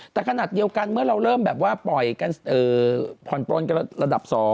แต่ขนาดเดียวกันเมื่อเราเริ่มแบบว่าปล่อยกันผ่อนปลนกันระดับ๒